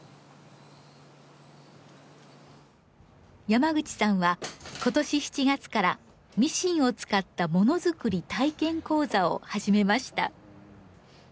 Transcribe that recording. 山口さんは今年７月からミシンを使ったもの作り体験講座を始めました。